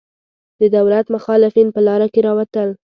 د دولت مخالفین په لاره کې راوتل.